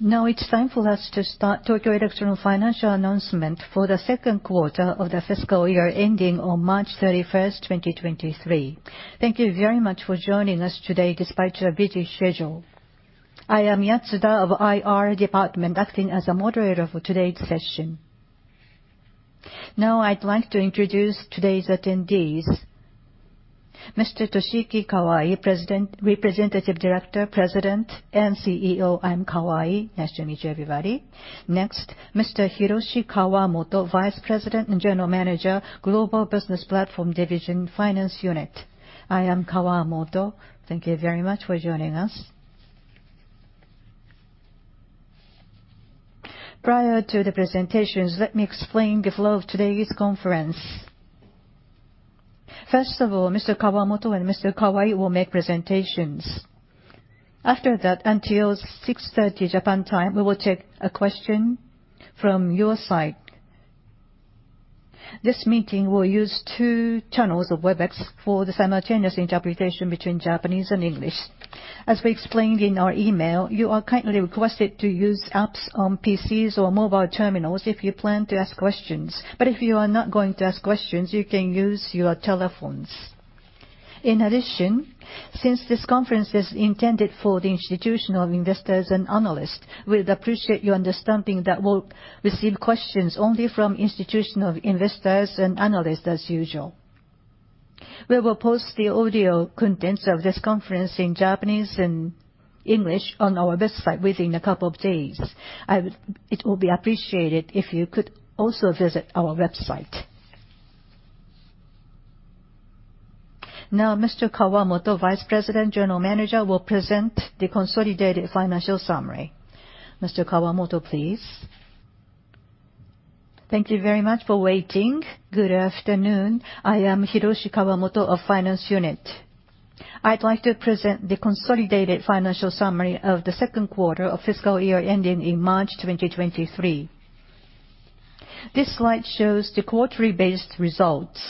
Now it's time for us to start Tokyo Electron financial announcement for the Q2 of the fiscal year ending on March 31, 2023. Thank you very much for joining us today despite your busy schedule. I am Yatsuda of IR department, acting as a moderator for today's session. Now I'd like to introduce today's attendees. Mr. Toshiki Kawai, Representative Director, President and CEO. I'm Kawai. Nice to meet you, everybody. Next, Mr. Hiroshi Kawamoto, Vice President and General Manager, Global Business Platform Division, Finance Unit. I am Kawamoto. Thank you very much for joining us. Prior to the presentations, let me explain the flow of today's conference. First of all, Mr. Kawamoto and Mr. Kawai will make presentations. After that, until 6:30 Japan time, we will take a question from your side. This meeting will use two channels of Webex for the simultaneous interpretation between Japanese and English. As we explained in our email, you are kindly requested to use apps on PCs or mobile terminals if you plan to ask questions. If you are not going to ask questions, you can use your telephones. In addition, since this conference is intended for the institutional investors and analysts, we'd appreciate your understanding that we'll receive questions only from institutional investors and analysts as usual. We will post the audio contents of this conference in Japanese and English on our website within a couple of days. It will be appreciated if you could also visit our website. Now, Mr. Kawamoto, Vice President, General Manager, will present the consolidated financial summary. Mr. Kawamoto, please. Thank you very much for waiting. Good afternoon. I am Hiroshi Kawamoto of Finance Unit. I'd like to present the consolidated financial summary of the Q2 of fiscal year ending in March 2023. This slide shows the quarterly based results.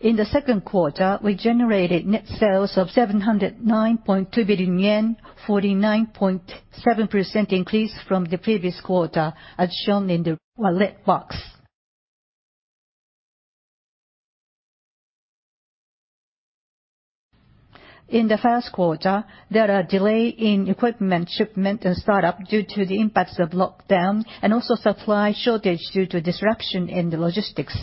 In the Q2, we generated net sales of 709.2 billion yen, 49.7% increase from the previous quarter, as shown in the red box. In the Q1, there are delay in equipment shipment and start-up due to the impacts of lockdown, and also supply shortage due to disruption in the logistics.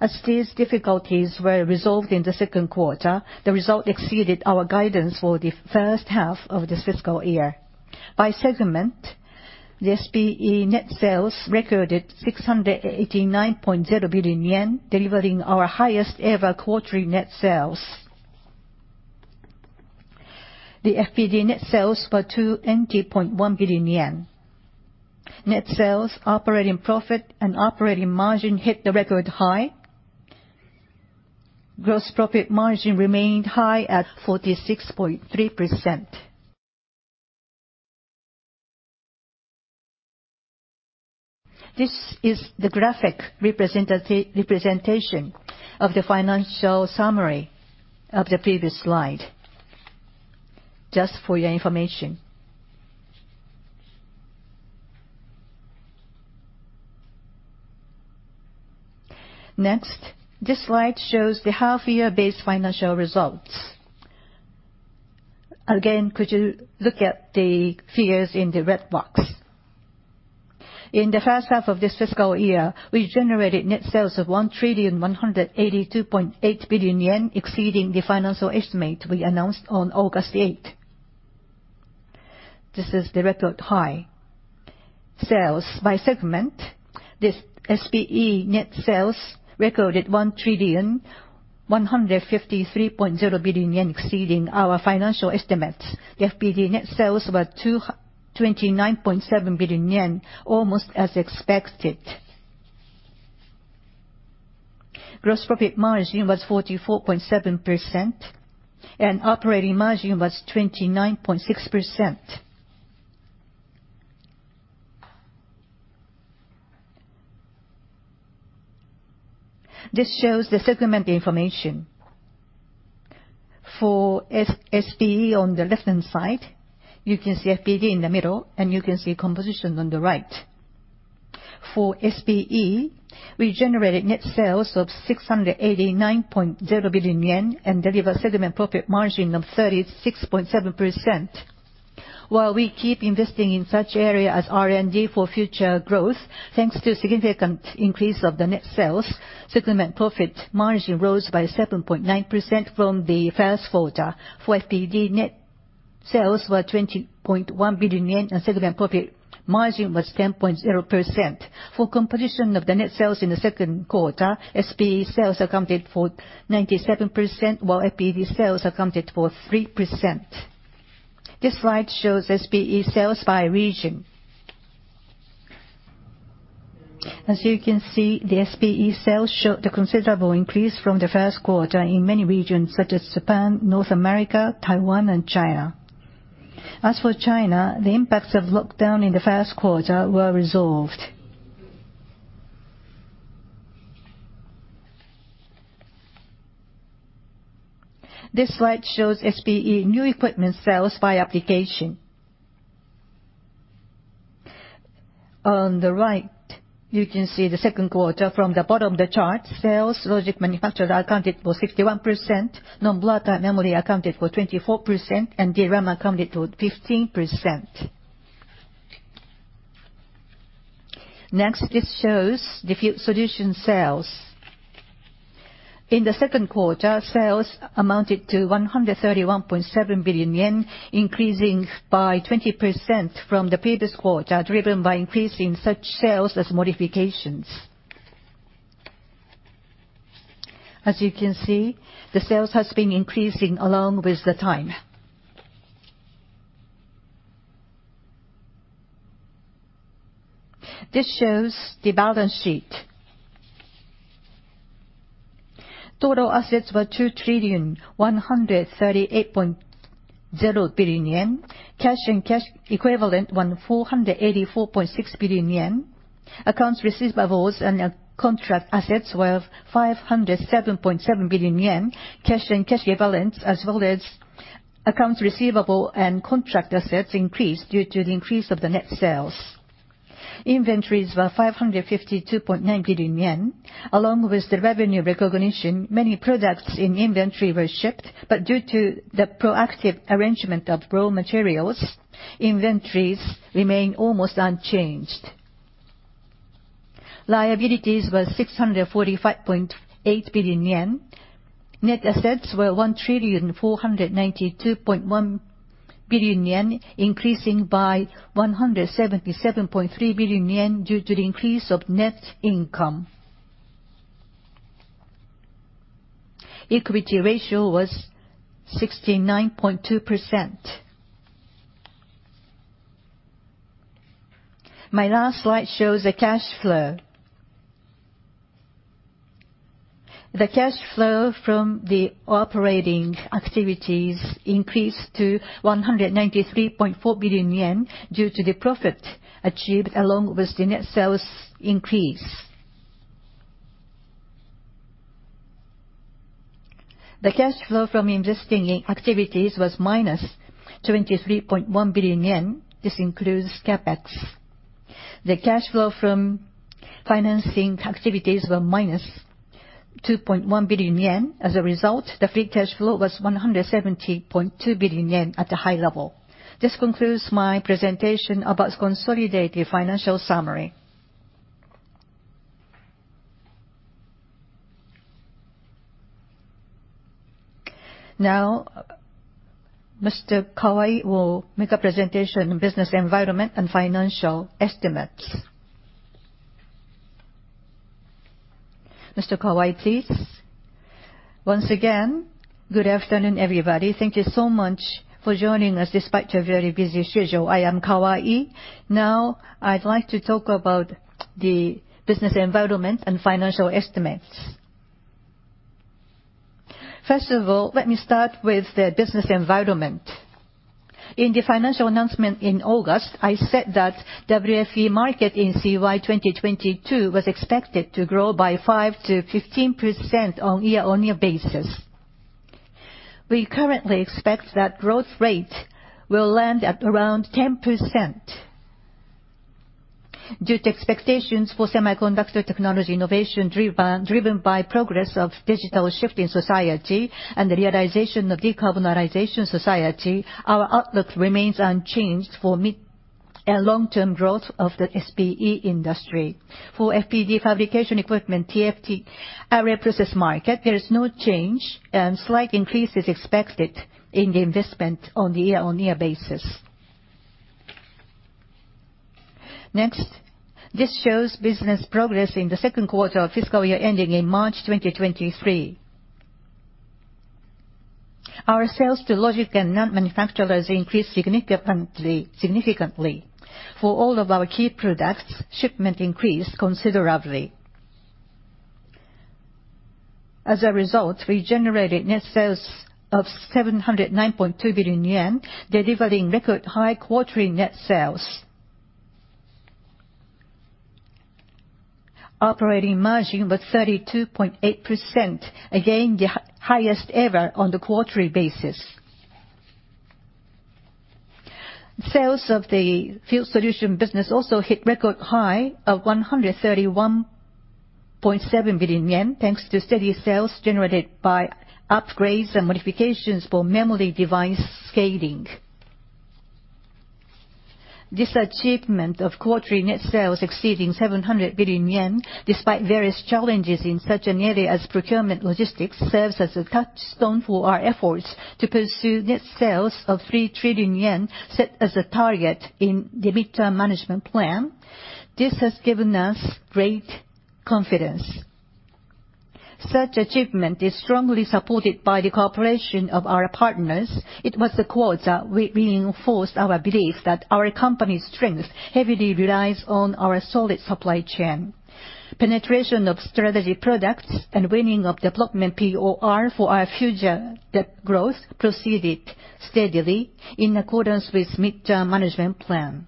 As these difficulties were resolved in the Q2, the result exceeded our guidance for the H1 of this fiscal year. By segment, the SPE net sales recorded 689.0 billion yen, delivering our highest ever quarterly net sales. The FPD net sales were 20.1 billion yen. Net sales, operating profit and operating margin hit the record high. Gross profit margin remained high at 46.3%. This is the graphic representation of the financial summary of the previous slide, just for your information. Next, this slide shows the half-year based financial results. Again, could you look at the figures in the red box. In the H1 of this fiscal year, we generated net sales of 1,182.8 billion yen, exceeding the financial estimate we announced on August 8. This is the record high. Sales by segment. This SPE net sales recorded 1,153.0 billion yen, exceeding our financial estimates. The FPD net sales were 29.7 billion yen, almost as expected. Gross profit margin was 44.7%, and operating margin was 29.6%. This shows the segment information. For SPE on the left-hand side, you can see FPD in the middle, and you can see composition on the right. For SPE, we generated net sales of 689.0 billion yen, and delivered segment profit margin of 36.7%. While we keep investing in such area as R&D for future growth, thanks to significant increase of the net sales, segment profit margin rose by 7.9% from the Q1. For FPD, net sales were 20.1 billion yen, and segment profit margin was 10.0%. For composition of the net sales in the Q2, SPE sales accounted for 97%, while FPD sales accounted for 3%. This slide shows SPE sales by region. As you can see, the SPE sales showed a considerable increase from the Q1 in many regions such as Japan, North America, Taiwan and China. As for China, the impacts of lockdown in the Q1 were resolved. This slide shows SPE new equipment sales by application. On the right, you can see the Q2 from the bottom of the chart, sales to logic manufacturers accounted for 61%, non-volatile memory accounted for 24%, and DRAM accounted for 15%. Next, this shows the Field Solutions sales. In the Q2, sales amounted to 131.7 billion yen, increasing by 20% from the previous quarter, driven by increasing such sales as modifications. As you can see, the sales has been increasing along with the time. This shows the balance sheet. Total assets were JPY 2,138.0 billion. Cash and cash equivalents JPY 184.6 billion. Accounts receivable and contract assets were 507.7 billion yen. Cash and cash equivalents, as well as accounts receivable and contract assets increased due to the increase of the net sales. Inventories were 552.9 billion yen, along with the revenue recognition, many products in inventory were shipped, but due to the proactive arrangement of raw materials, inventories remain almost unchanged. Liabilities were 645.8 billion yen. Net assets were 1,492.1 billion yen, increasing by 177.3 billion yen due to the increase of net income. Equity ratio was 69.2%. My last slide shows the cash flow. The cash flow from the operating activities increased to 193.4 billion yen due to the profit achieved along with the net sales increase. The cash flow from investing activities was -23.1 billion yen. This includes CapEx. The cash flow from financing activities were -2.1 billion yen. As a result, the free cash flow was 170.2 billion yen at a high level. This concludes my presentation about consolidated financial summary. Now, Mr. Kawai will make a presentation on business environment and financial estimates. Mr. Kawai, please. Once again, good afternoon, everybody. Thank you so much for joining us despite your very busy schedule. I am Kawai. Now I'd like to talk about the business environment and financial estimates. First of all, let me start with the business environment. In the financial announcement in August, I said that WFE market in CY 2022 was expected to grow by 5%-15% on year-on-year basis. We currently expect that growth rate will land at around 10%. Due to expectations for semiconductor technology innovation driven by progress of digital shift in society and the realization of decarbonization society, our outlook remains unchanged for mid and long-term growth of the SPE industry. For FPD fabrication equipment, TFT array process market, there is no change, and slight increase is expected in the investment on the year-on-year basis. Next, this shows business progress in the Q2 of fiscal year ending in March 2023. Our sales to logic and NAND manufacturers increased significantly. For all of our key products, shipment increased considerably. As a result, we generated net sales of 709.2 billion yen, delivering record high quarterly net sales. Operating margin was 32.8%, again, the highest ever on the quarterly basis. Sales of the Field Solutions business also hit record high of 131.7 billion yen, thanks to steady sales generated by upgrades and modifications for memory device scaling. This achievement of quarterly net sales exceeding 700 billion yen, despite various challenges in such an area as procurement logistics, serves as a touchstone for our efforts to pursue net sales of 3 trillion yen set as a target in the midterm management plan. This has given us great confidence. Such achievement is strongly supported by the cooperation of our partners. It was the quarter we enforced our belief that our company's strength heavily relies on our solid supply chain. Penetration of strategic products and winning of development POR for our future growth proceeded steadily in accordance with midterm management plan.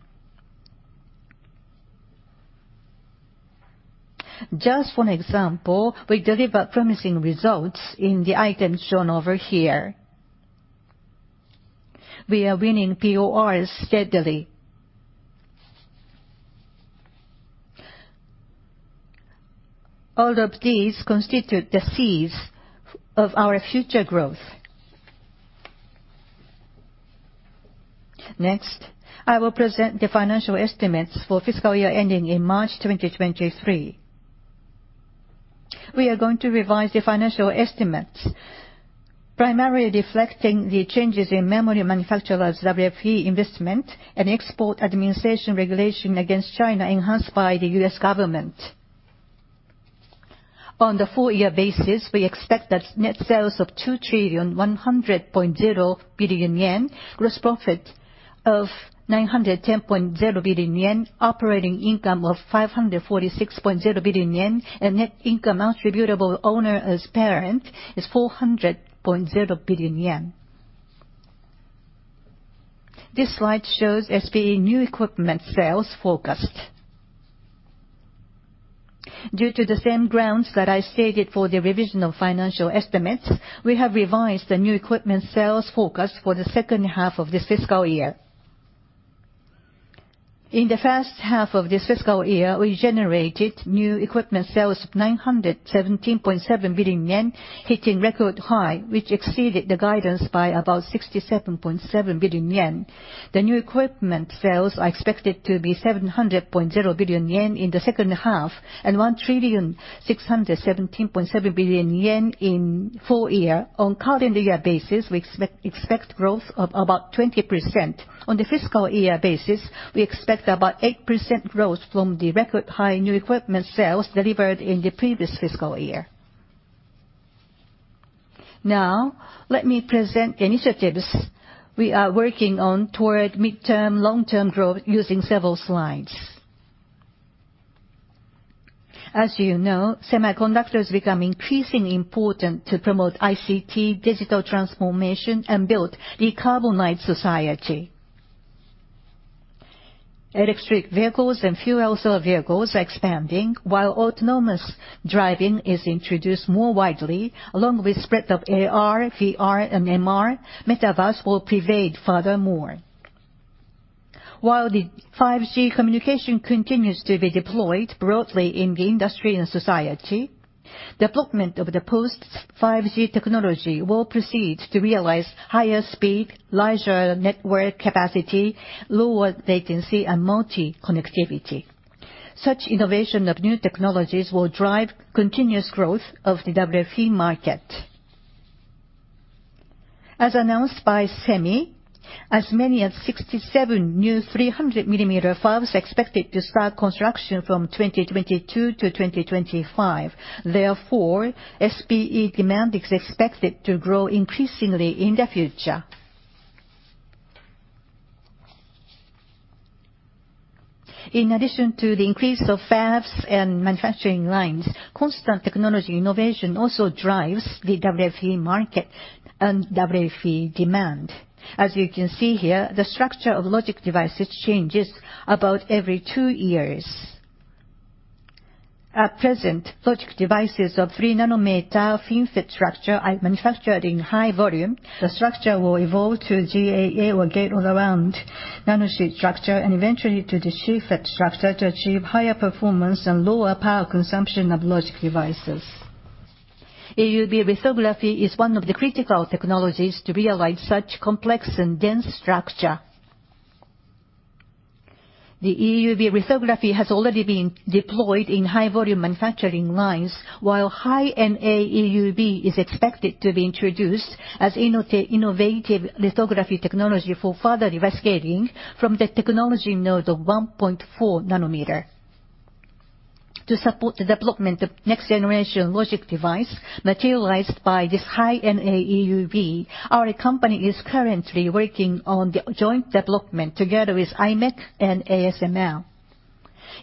Just one example, we deliver promising results in the items shown over here. We are winning PORs steadily. All of these constitute the seeds of our future growth. Next, I will present the financial estimates for fiscal year ending in March 2023. We are going to revise the financial estimates, primarily reflecting the changes in memory manufacturers' WFE investment and export administration regulation against China enhanced by the U.S. government. On the full year basis, we expect that net sales of 2,100.0 billion yen, gross profit of 910.0 billion yen, operating income of 546.0 billion yen, and net income attributable owner as parent is 400.0 billion yen. This slide shows SPE new equipment sales forecast. Due to the same grounds that I stated for the revision of financial estimates, we have revised the new equipment sales forecast for the H2 of this fiscal year. In the H1 of this fiscal year, we generated new equipment sales of 917.7 billion yen, hitting record high, which exceeded the guidance by about 67.7 billion yen. The new equipment sales are expected to be 700.0 billion yen in the H2 and 1,617.7 billion yen in full year. On calendar year basis, we expect growth of about 20%. On the fiscal year basis, we expect about 8% growth from the record high new equipment sales delivered in the previous fiscal year. Now let me present the initiatives we are working on toward mid- to long-term growth using several slides. As you know, semiconductors become increasingly important to promote ICT digital transformation and build decarbonized society. Electric vehicles and fuel cell vehicles are expanding while autonomous driving is introduced more widely, along with spread of AR, VR, and MR. Metaverse will pervade furthermore. While the 5G communication continues to be deployed broadly in the industry and society, deployment of the post-5G technology will proceed to realize higher speed, larger network capacity, lower latency, and multiconnectivity. Such innovation of new technologies will drive continuous growth of the WFE market. As announced by SEMI, as many as 67 new 300-millimeter fabs expected to start construction from 2022 to 2025. Therefore, SPE demand is expected to grow increasingly in the future. In addition to the increase of fabs and manufacturing lines, constant technology innovation also drives the WFE market and WFE demand. As you can see here, the structure of logic devices changes about every 2 years. At present, logic devices of 3-nanometer FinFET structure are manufactured in high volume. The structure will evolve to GAA or Gate-All-Around nanosheet structure and eventually to the SheetFET structure to achieve higher performance and lower power consumption of logic devices. EUV lithography is one of the critical technologies to realize such complex and dense structure. The EUV lithography has already been deployed in high volume manufacturing lines, while High-NA EUV is expected to be introduced as innovative lithography technology for further investigating from the technology node of 1.4 nanometer. To support the development of next-generation logic device materialized by this High-NA EUV, our company is currently working on the joint development together with imec and ASML.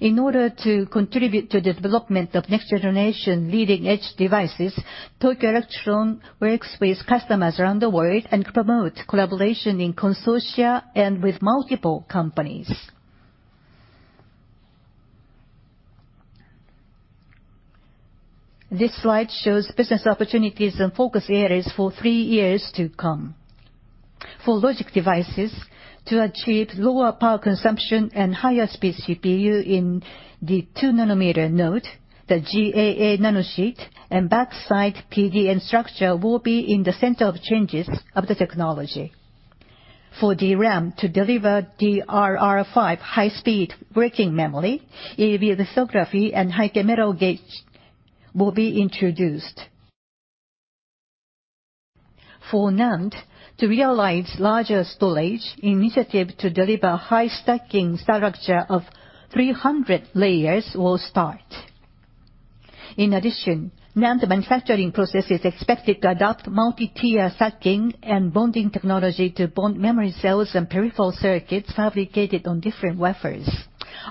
In order to contribute to the development of next-generation leading-edge devices, Tokyo Electron works with customers around the world and promote collaboration in consortia and with multiple companies. This slide shows business opportunities and focus areas for three years to come. For logic devices to achieve lower power consumption and higher speed CPU in the 2-nanometer node, the GAA nanosheet and backside PDN structure will be in the center of changes of the technology. For DRAM to deliver DDR5 high-speed working memory, EUV lithography and high-k metal gate will be introduced. For NAND to realize larger storage, initiative to deliver high-stacking structure of 300 layers will start. In addition, NAND manufacturing process is expected to adopt multi-tier stacking and bonding technology to bond memory cells and peripheral circuits fabricated on different wafers.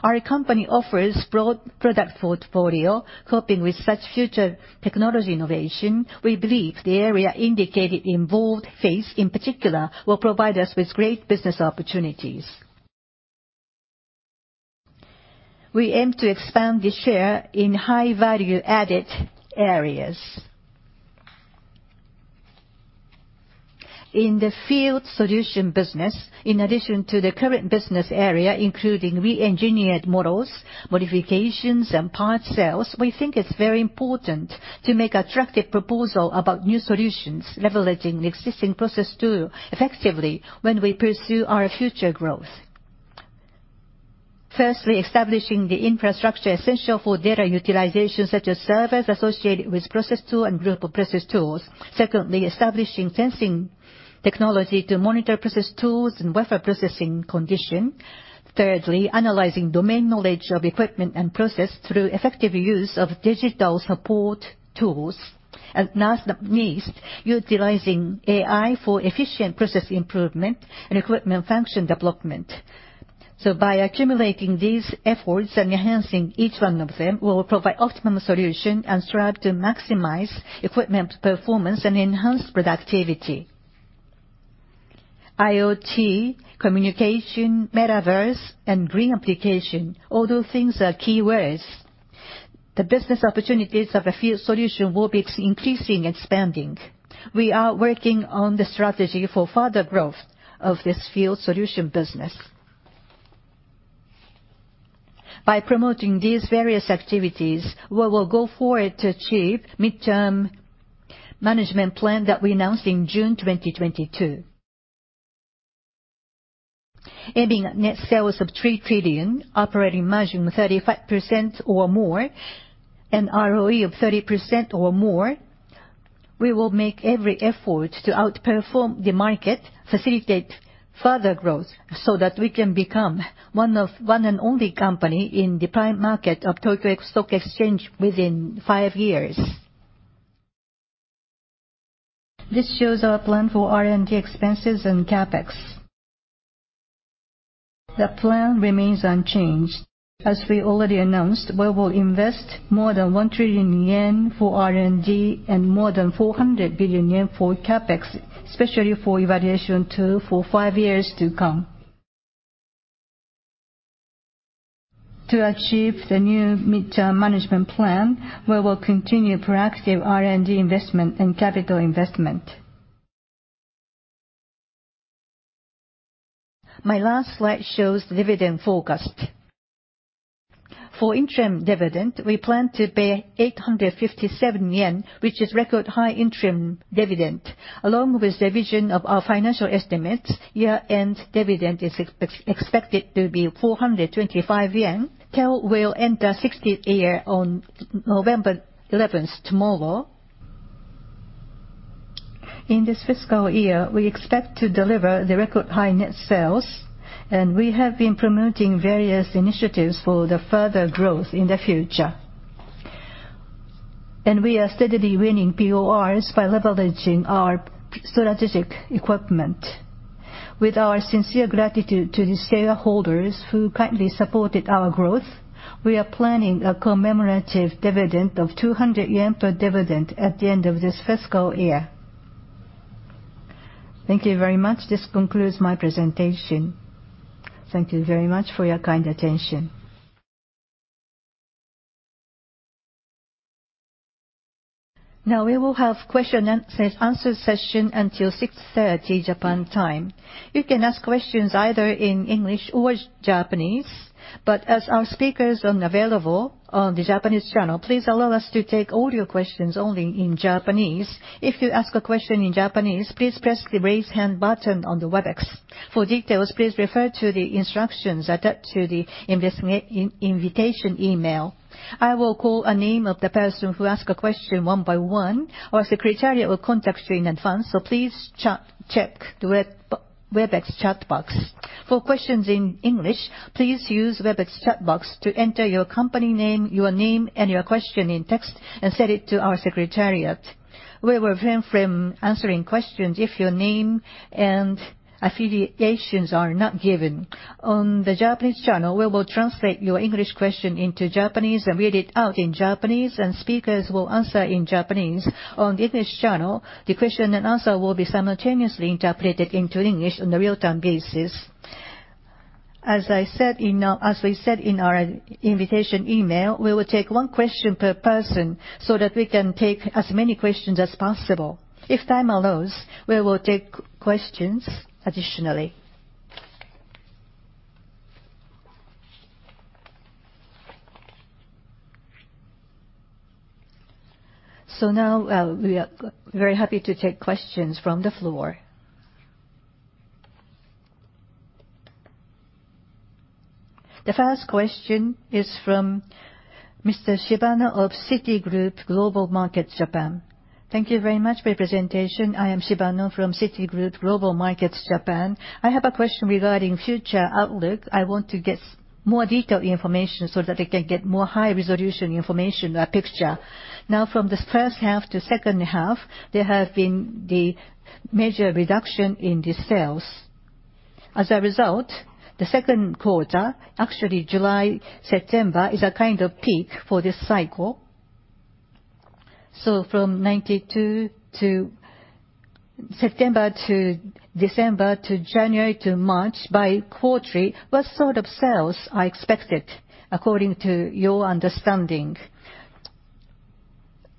Our company offers broad product portfolio, coping with such future technology innovation. We believe the area indicated in bold face, in particular, will provide us with great business opportunities. We aim to expand the share in high value added areas. In the Field Solutions business, in addition to the current business area, including re-engineered models, modifications, and part sales, we think it's very important to make attractive proposal about new solutions, leveraging the existing process tool effectively when we pursue our future growth. Firstly, establishing the infrastructure essential for data utilization, such as servers associated with process tool and group of process tools. Secondly, establishing sensing technology to monitor process tools and wafer processing condition. Thirdly, analyzing domain knowledge of equipment and process through effective use of digital support tools. Last but not least, utilizing AI for efficient process improvement and equipment function development. By accumulating these efforts and enhancing each one of them, we will provide optimum solution and strive to maximize equipment performance and enhance productivity. IoT, communication, metaverse, and reapplication, all those things are key words. The business opportunities of the Field Solutions will be increasing and expanding. We are working on the strategy for further growth of this Field Solutions business. By promoting these various activities, we will go forward to achieve midterm management plan that we announced in June 2022. Aiming at net sales of 3 trillion, operating margin of 35% or more, and ROE of 30% or more, we will make every effort to outperform the market, facilitate further growth, so that we can become one and only company in the prime market of Tokyo Stock Exchange within 5 years. This shows our plan for R&D expenses and CapEx. The plan remains unchanged. As we already announced, we will invest more than 1 trillion yen for R&D and more than 400 billion yen for CapEx, especially for evaluation tool for 5 years to come. To achieve the new midterm management plan, we will continue proactive R&D investment and capital investment. My last slide shows dividend forecast. For interim dividend, we plan to pay 857 yen, which is record high interim dividend. Along with the vision of our financial estimates, year-end dividend is expected to be 425 yen. TEL will end our 60th year on November 11, tomorrow. In this fiscal year, we expect to deliver the record high net sales, and we have been promoting various initiatives for the further growth in the future. We are steadily winning PORs by leveraging our strategic equipment. With our sincere gratitude to the shareholders who kindly supported our growth, we are planning a commemorative dividend of 200 yen per dividend at the end of this fiscal year. Thank you very much. This concludes my presentation. Thank you very much for your kind attention. Now we will have question-and-answer session until 6:30 P.M. Japan time. You can ask questions either in English or Japanese, but as our speaker is unavailable on the Japanese channel, please allow us to take all your questions only in Japanese. If you ask a question in Japanese, please press the raise hand button on the Webex. For details, please refer to the instructions attached to the invitation email. I will call a name of the person who ask a question one by one. Our secretariat will contact you in advance, so please check the Webex chat box. For questions in English, please use Webex chat box to enter your company name, your name, and your question in text and send it to our secretariat. We will refrain from answering questions if your name and affiliations are not given. On the Japanese channel, we will translate your English question into Japanese and read it out in Japanese, and speakers will answer in Japanese. On the English channel, the question and answer will be simultaneously interpreted into English on a real-time basis. As we said in our invitation email, we will take one question per person so that we can take as many questions as possible. If time allows, we will take questions additionally. Now, we are very happy to take questions from the floor. The first question is from Mr. Shibano of Citigroup Global Markets Japan. Thank you very much for your presentation. I am Shibano from Citigroup Global Markets Japan. I have a question regarding future outlook. I want to get more detailed information so that I can get more high resolution information, picture. Now from the H1 to H2, there have been the major reduction in the sales. As a result, the Q2, actually July, September, is a kind of peak for this cycle. From Q2 to September to December to January to March quarterly, what sort of sales are expected according to your understanding?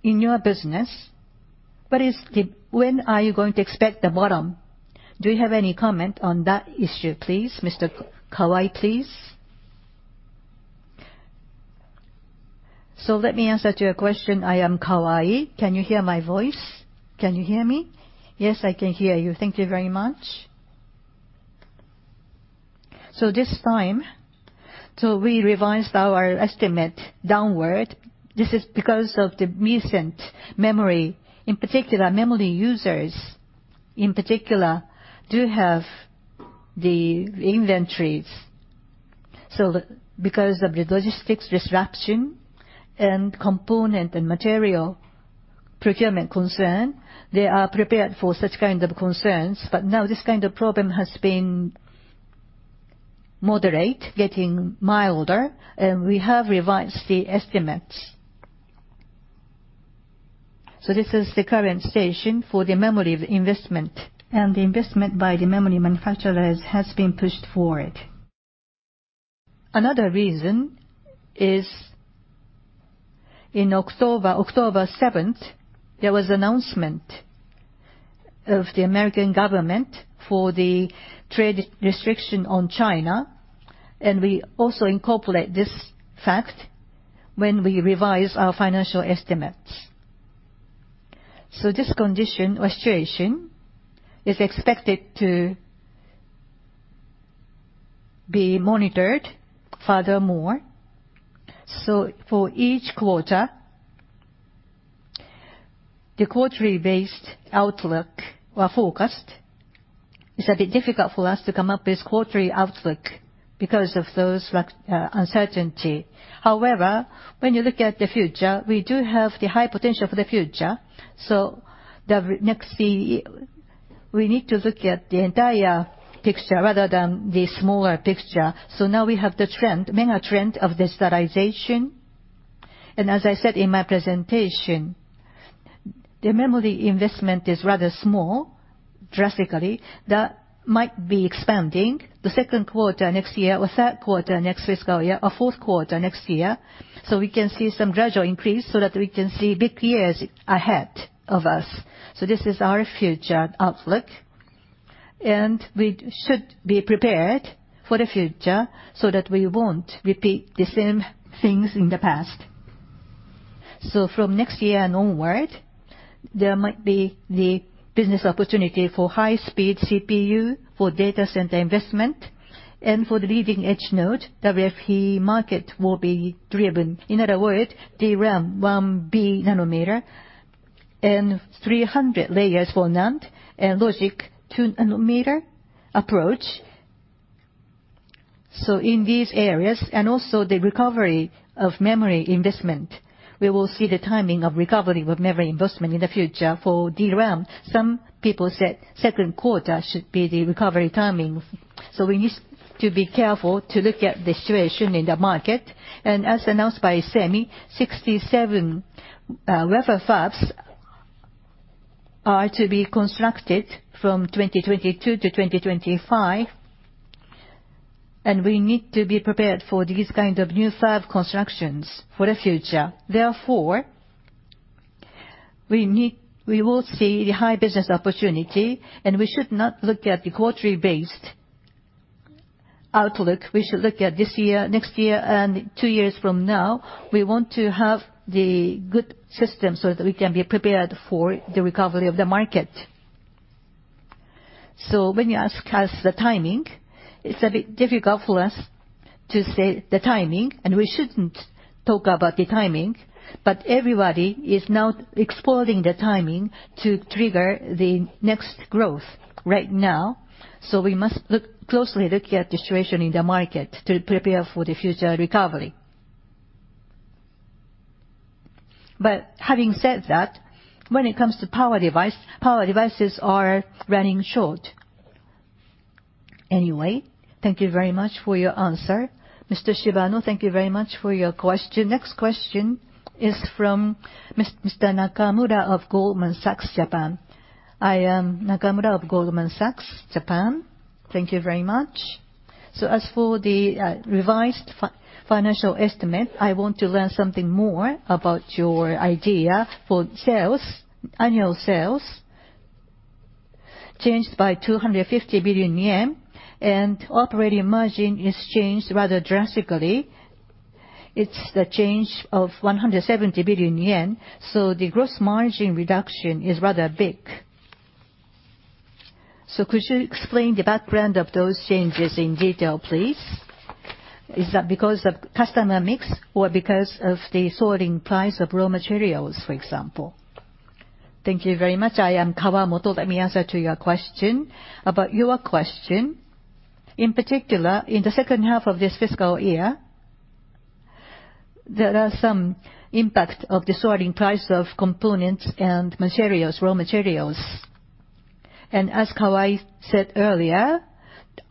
In your business, when are you going to expect the bottom? Do you have any comment on that issue, please? Mr. Kawai, please. Let me answer to your question. I am Kawai. Can you hear my voice? Can you hear me? Yes, I can hear you. Thank you very much. This time, we revised our estimate downward. This is because of the recent memory, in particular memory users do have the inventories. Because of the logistics disruption and component and material procurement concern, they are prepared for such kind of concerns. Now this kind of problem has been moderate, getting milder, and we have revised the estimates. This is the current situation for the memory of investment, and the investment by the memory manufacturers has been pushed forward. Another reason is in October 7, there was announcement of the American government for the trade restriction on China, and we also incorporate this fact when we revise our financial estimates. This condition or situation is expected to be monitored furthermore. For each quarter, the quarterly-based outlook or forecast, it's a bit difficult for us to come up with quarterly outlook because of those like uncertainty. However, when you look at the future, we do have the high potential for the future. The next CY, we need to look at the entire picture rather than the smaller picture. Now we have the trend, mega trend of digitalization. As I said in my presentation, the memory investment is rather small drastically, that might be expanding the Q2 next year, or Q3 next fiscal year or Q3 next year. We can see some gradual increase so that we can see big years ahead of us. This is our future outlook, and we should be prepared for the future so that we won't repeat the same things in the past. From next year and onward, there might be the business opportunity for high-speed CPU, for data center investment, and for the leading-edge node, WFE market will be driven. In other words, DRAM 1B nanometer and 300 layers for NAND and logic 2 nanometer approach. In these areas and also the recovery of memory investment, we will see the timing of recovery with memory investment in the future. For DRAM, some people said Q2 should be the recovery timing. We need to be careful to look at the situation in the market. As announced by SEMI, 67 wafer fabs are to be constructed from 2022 to 2025, and we need to be prepared for these kind of new fab constructions for the future. Therefore, we will see the high business opportunity, and we should not look at the quarterly-based outlook. We should look at this year, next year, and two years from now. We want to have the good system so that we can be prepared for the recovery of the market. When you ask us the timing, it's a bit difficult for us to say the timing, and we shouldn't talk about the timing. Everybody is now exploring the timing to trigger the next growth right now, so we must closely look at the situation in the market to prepare for the future recovery. Having said that, when it comes to power device, power devices are running short. Anyway, thank you very much for your answer. Mr. Shibano, thank you very much for your question. Next question is from Mr. Nakamura of Goldman Sachs Japan. I am Nakamura of Goldman Sachs Japan. Thank you very much. As for the revised financial estimate, I want to learn something more about your guidance for sales, annual sales changed by 250 billion yen, and operating margin is changed rather drastically. It's the change of 170 billion yen. The gross margin reduction is rather big. Could you explain the background of those changes in detail, please? Is that because of customer mix or because of the soaring price of raw materials, for example? Thank you very much. I am Kawamoto. Let me answer to your question. About your question, in particular, in the H2 of this fiscal year, there are some impact of the soaring price of components and materials, raw materials. As Kawai said earlier,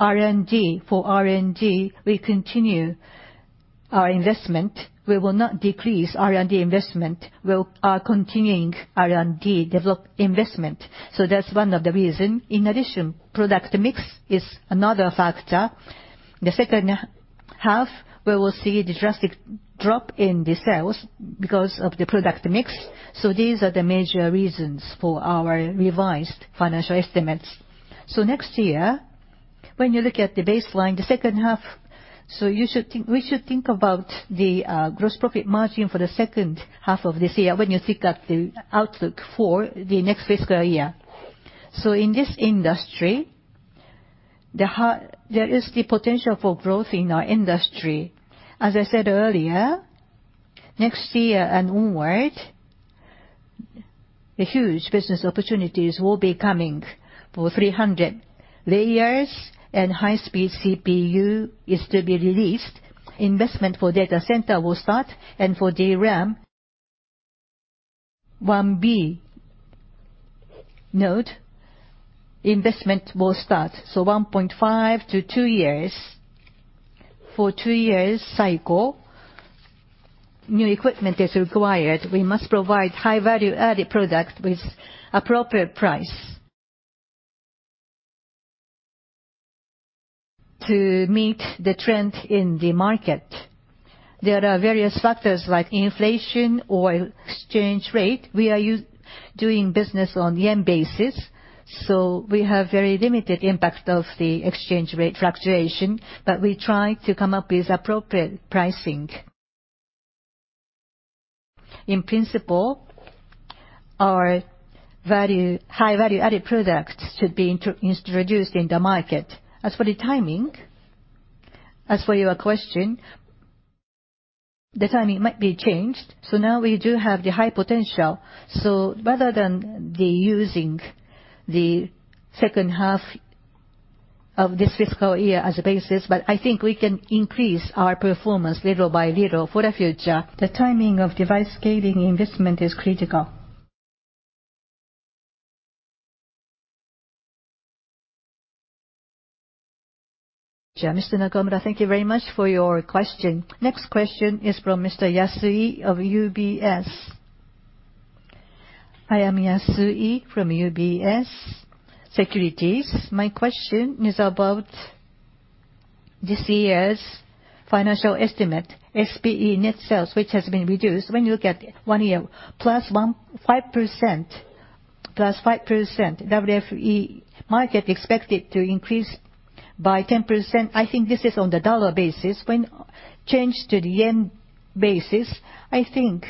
R&D, for R&D, we continue our investment. We will not decrease R&D investment. We are continuing R&D development investment, so that's one of the reason. In addition, product mix is another factor. The H2, we will see the drastic drop in the sales because of the product mix. These are the major reasons for our revised financial estimates. Next year, when you look at the baseline, the H2, we should think about the gross profit margin for the H2 of this year when you think of the outlook for the next fiscal year. In this industry, there is the potential for growth in our industry. As I said earlier, next year and onward, the huge business opportunities will be coming for 300 layers, and high-speed CPU is to be released. Investment for data center will start, and for DRAM, 1B node investment will start, so 1.5-2 years. For 2-year cycle, new equipment is required. We must provide high-value-added product with appropriate price. To meet the trend in the market, there are various factors like inflation or exchange rate. We are doing business on yen basis, so we have very limited impact of the exchange rate fluctuation, but we try to come up with appropriate pricing. In principle, our high-value-added products should be introduced in the market. As for the timing, as for your question, the timing might be changed, so now we do have the high potential. Rather than using the H2 of this fiscal year as a basis, but I think we can increase our performance little by little for the future. The timing of device scaling investment is critical. Mr. Nakamura, thank you very much for your question. Next question is from Mr. Yasui of UBS. I am Yasui from UBS Securities. My question is about this year's financial estimate, SPE net sales, which has been reduced. When you look at one year, 5%, +5% WFE market expected to increase by 10%. I think this is on the dollar basis. When changed to the yen basis, I think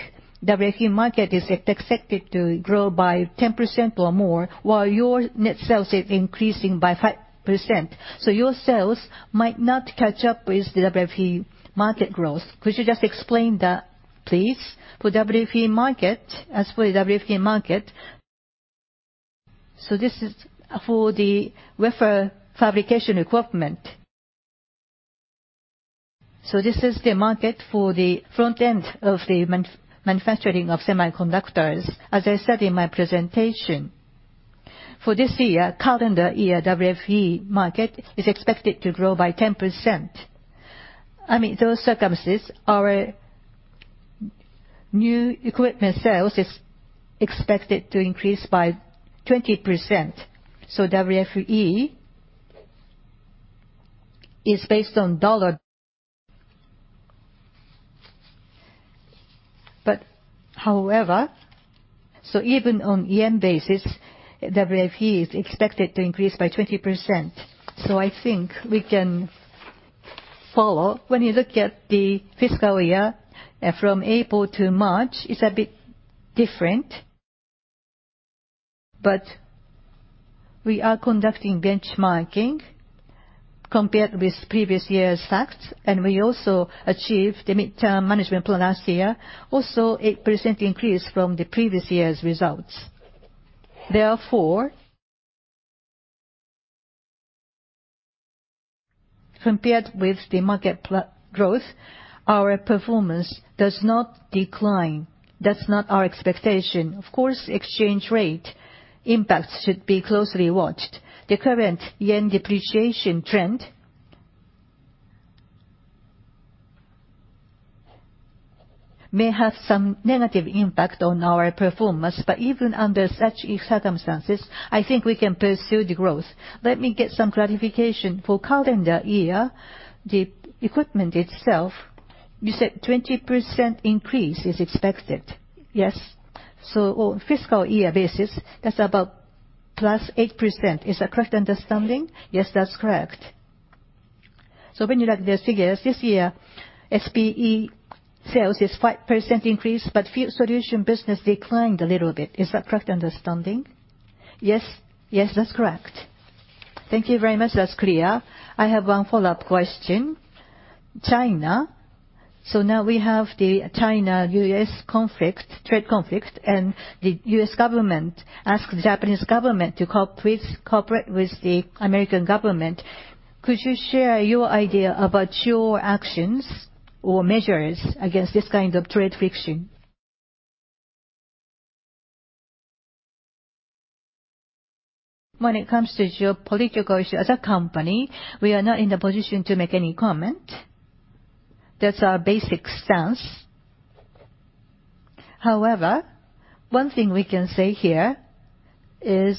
WFE market is expected to grow by 10% or more, while your net sales is increasing by 5%. So your sales might not catch up with WFE market growth. Could you just explain that, please? For WFE market, this is for the wafer fabrication equipment. This is the market for the front end of the manufacturing of semiconductors. As I said in my presentation, for this year, calendar year, WFE market is expected to grow by 10%. I mean, those circumstances, our new equipment sales is expected to increase by 20%. WFE is based on dollar. Even on yen basis, WFE is expected to increase by 20%, so I think we can follow. When you look at the fiscal year from April to March, it's a bit different. We are conducting benchmarking compared with previous year's facts, and we also achieved the midterm management plan last year, also 8% increase from the previous year's results. Therefore, compared with the market growth, our performance does not decline. That's not our expectation. Of course, exchange rate impact should be closely watched. The current yen depreciation trend may have some negative impact on our performance, but even under such circumstances, I think we can pursue the growth. Let me get some clarification. For calendar year, the equipment itself, you said 20% increase is expected. Yes. So on fiscal year basis, that's about +8%. Is that correct understanding? Yes, that's correct. So when you look at the figures, this year, SPE sales is 5% increase, but solution business declined a little bit. Is that correct understanding? Yes. Yes, that's correct. Thank you very much. That's clear. I have one follow-up question. China, now we have the China-U.S. conflict, trade conflict, and the U.S. government asked the Japanese government to cooperate with the American government. Could you share your idea about your actions or measures against this kind of trade friction? When it comes to geopolitical issue, as a company, we are not in the position to make any comment. That's our basic stance. However, one thing we can say here is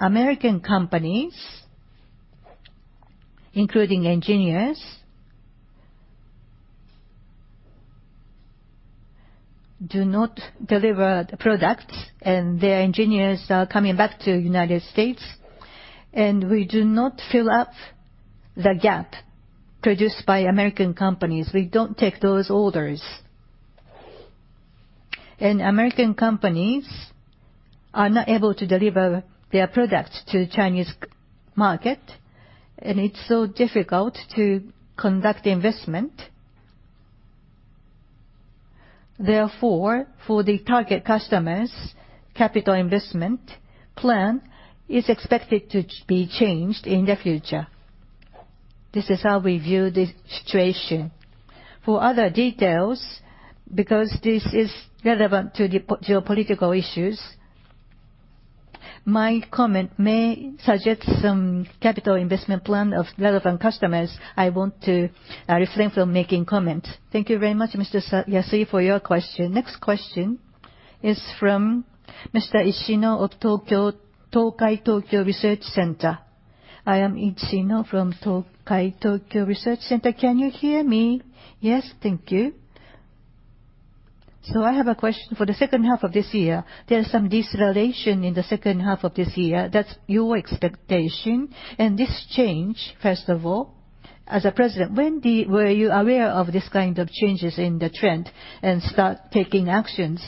American companies, including engineers, do not deliver the products, and their engineers are coming back to United States, and we do not fill up the gap produced by American companies. We don't take those orders. American companies are not able to deliver their products to Chinese market, and it's so difficult to conduct investment. Therefore, for the target customers, capital investment plan is expected to be changed in the future. This is how we view the situation. For other details, because this is relevant to the geopolitical issues, my comment may suggest some capital investment plan of relevant customers I want to refrain from making comments. Thank you very much, Mr. Yasui, for your question. Next question is from Mr. Ishino of Tokai Tokyo Research Center. I am Ishino from Tokai Tokyo Research Center. Can you hear me? Yes. Thank you. I have a question. For the H2 of this year, there's some deceleration in the H2 of this year. That's your expectation. This change, first of all, as a president, were you aware of this kind of changes in the trend and start taking actions?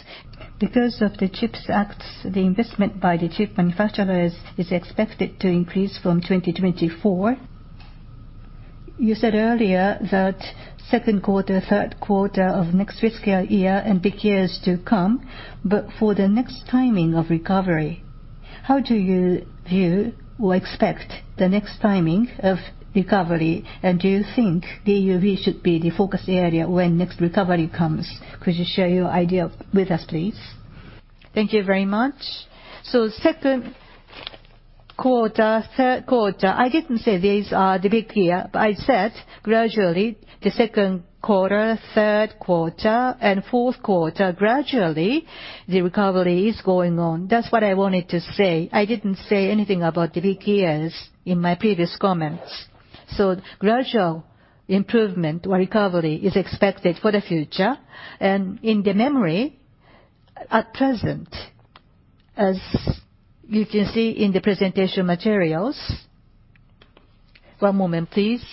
Because of the CHIPS Act, the investment by the chip manufacturers is expected to increase from 2024. You said earlier that Q2, Q3 of next fiscal year, and big years to come, but for the next timing of recovery, how do you view or expect the next timing of recovery? And do you think DUV should be the focus area when next recovery comes? Could you share your idea with us, please? Thank you very much. Q2, Q3, I didn't say these are the big year. I said gradually the Q2, Q3, and Q3, gradually the recovery is going on. That's what I wanted to say. I didn't say anything about the big years in my previous comments. Gradual improvement or recovery is expected for the future. In the memory at present, as you can see in the presentation materials. One moment, please.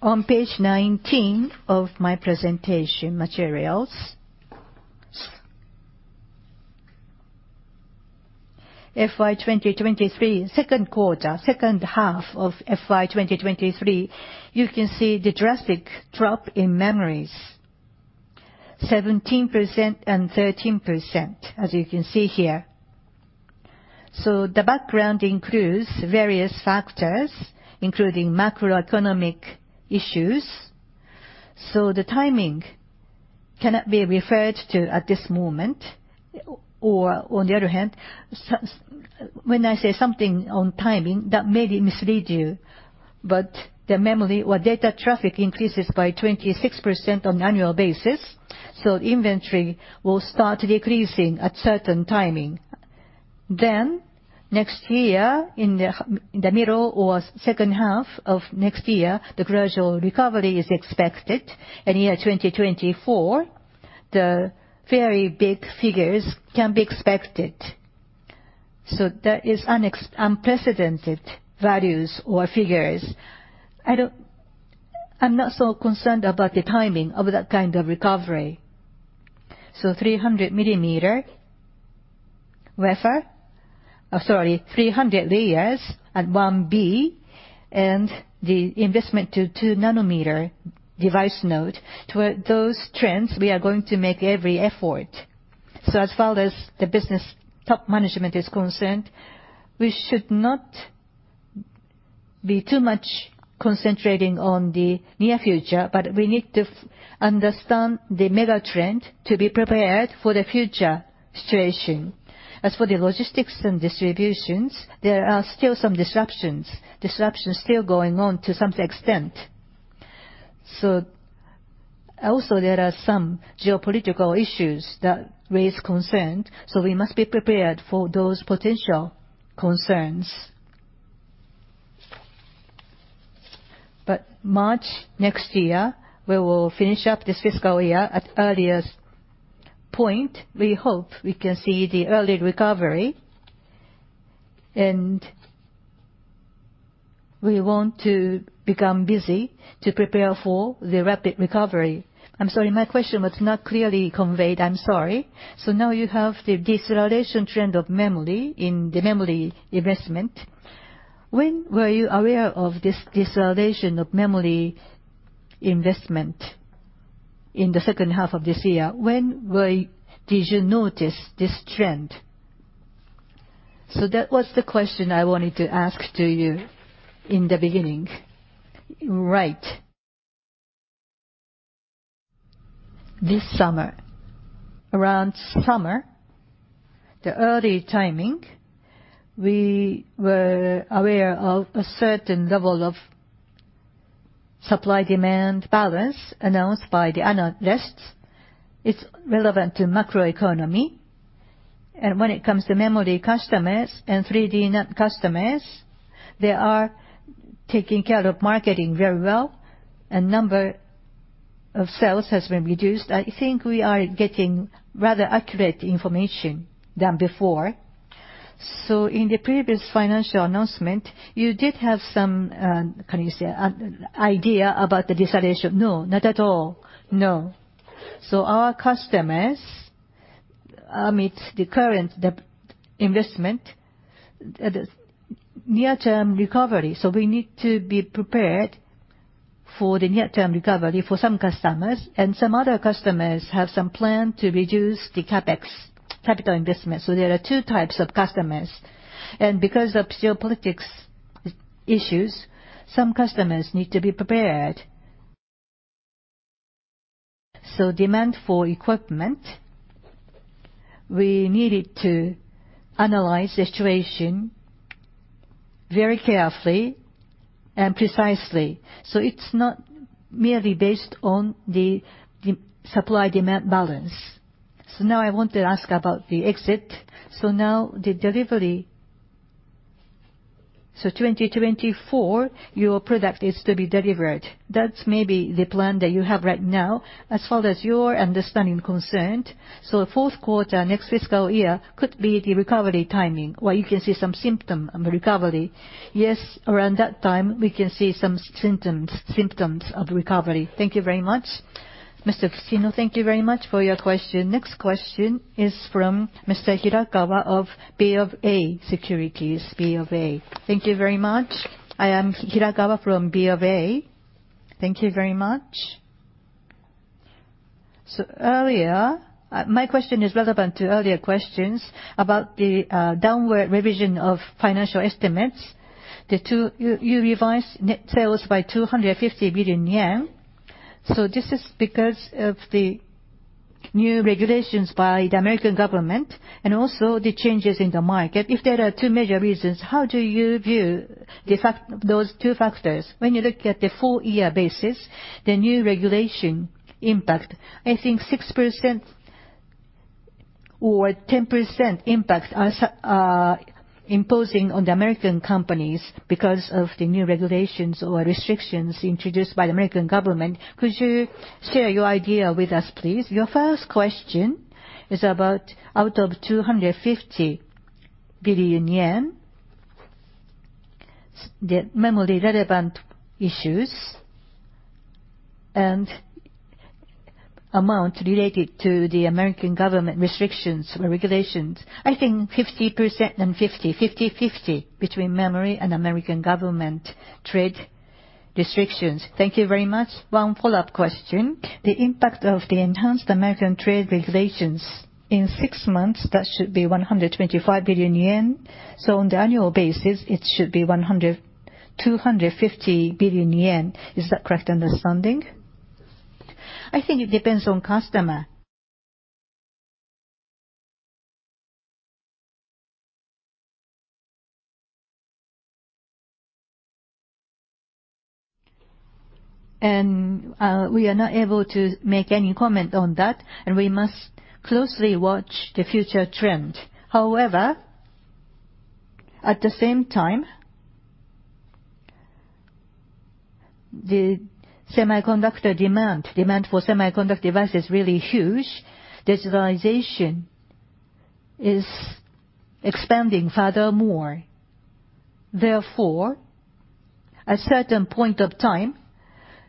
On page nineteen of my presentation materials, FY 2023, Q2, H2 of FY 2023, you can see the drastic drop in memories, 17% and 13%, as you can see here. The background includes various factors, including macroeconomic issues. The timing cannot be referred to at this moment, or on the other hand, when I say something on timing, that may mislead you, but the memory or data traffic increases by 26% on annual basis, so inventory will start decreasing at certain timing. Next year, in the middle or H2 of next year, the gradual recovery is expected. Year 2024, the very big figures can be expected. That is unprecedented values or figures. I'm not so concerned about the timing of that kind of recovery. 300 millimeter wafer, three hundred layers at one B, and the investment to 2 nanometer device node. To those trends, we are going to make every effort. As far as the business top management is concerned, we should not be too much concentrating on the near future, but we need to understand the mega trend to be prepared for the future situation. As for the logistics and distributions, there are still some disruptions still going on to some extent. Also there are some geopolitical issues that raise concern, so we must be prepared for those potential concerns. March next year, we will finish up this fiscal year at earliest point. We hope we can see the early recovery, and we want to become busy to prepare for the rapid recovery. I'm sorry, my question was not clearly conveyed. I'm sorry. Now you have the deceleration trend of memory in the memory investment. When were you aware of this deceleration of memory investment in the H2 of this year, did you notice this trend? That was the question I wanted to ask to you in the beginning. Right. This summer. Around summer. The early timing, we were aware of a certain level of supply-demand balance announced by the analysts. It's relevant to macroeconomy. When it comes to memory customers and 3D customers, they are taking care of marketing very well, and number of sales has been reduced. I think we are getting rather accurate information than before. In the previous financial announcement, you did have some, how you say, idea about the deceleration? No, not at all. No. Our customers, amid the current de-investment, the near-term recovery. We need to be prepared for the near-term recovery for some customers, and some other customers have some plan to reduce the CapEx, capital investment. There are two types of customers. Because of geopolitical issues, some customers need to be prepared. Demand for equipment, we needed to analyze the situation very carefully and precisely. It's not merely based on the supply-demand balance. Now I want to ask about the next. Now the delivery. 2024, your product is to be delivered. That's maybe the plan that you have right now as far as your understanding concerned. The Q3, next fiscal year could be the recovery timing where you can see some symptom of recovery. Yes. Around that time, we can see some symptoms of recovery. Thank you very much. Mr. Ishino, thank you very much for your question. Next question is from Mr. Hirakawa of BofA Securities. BofA. Thank you very much. I am Hirakawa from BofA. Thank you very much. Earlier, my question is relevant to earlier questions about the downward revision of financial estimates. You revised net sales by 250 billion yen, so this is because of the new regulations by the American government and also the changes in the market. If there are two major reasons, how do you view those two factors when you look at the full year basis, the new regulation impact? I think 6% or 10% impact are imposing on the American companies because of the new regulations or restrictions introduced by the American government. Could you share your idea with us, please? Your first question is about out of 250 billion yen, the memory relevant issues and amount related to the American government restrictions or regulations. I think 50% and 50-50 between memory and American government trade restrictions. Thank you very much. One follow-up question. The impact of the enhanced American trade regulations in six months, that should be 125 billion yen. So on the annual basis, it should be two hundred and fifty billion yen. Is that correct understanding? I think it depends on customer. We are not able to make any comment on that, and we must closely watch the future trend. However, at the same time, the semiconductor demand for semiconductor device is really huge. Digitalization is expanding furthermore. Therefore, a certain point of time,